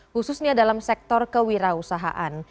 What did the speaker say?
khususnya dalam sektor kewirausahaan